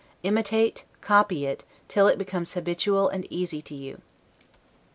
Imitate, copy it, till it becomes habitual and easy to you.